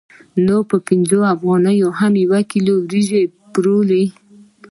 نو په پنځه افغانیو هم یو کیلو وریجې پېرو